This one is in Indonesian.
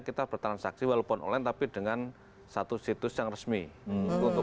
kita bertransaksi walaupun online tapi dengan satu situs yang resmi